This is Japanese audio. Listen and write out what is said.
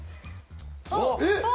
えっ！